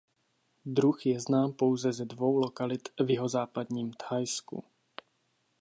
Druh je znám pouze ze dvou lokalit v jihozápadním Thajsku.